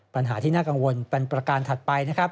ปัญหาที่น่ากังวลเป็นประการถัดไปนะครับ